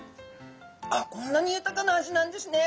こんなに豊かな味なんですね。